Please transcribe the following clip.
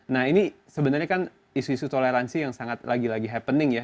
nah ini sebenarnya kan isu isu toleransi yang sangat lagi lagi happening ya